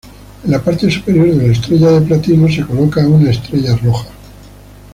En la parte superior de la estrella de platino se coloca una estrella roja.